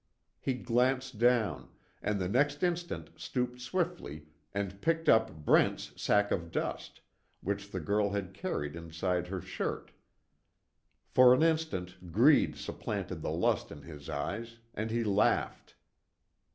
He glanced down, and the next instant stooped swiftly and picked up Brent's sack of dust, which the girl had carried inside her shirt. For an instant, greed supplanted the lust in his eyes, and he laughed.